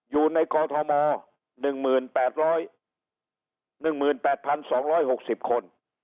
อยู่ในกอทม๑๘๑๘๒๖๐คน